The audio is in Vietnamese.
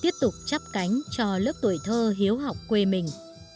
tiếp tục chắp cánh cho lớp tuổi thơ hiếu học quê mình